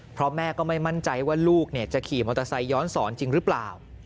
เพราะแม่ก็ไม่มั่นใจว่าลูกจะขี่มอเตอร์ไซคย้อนสอนจริงหรือเปล่า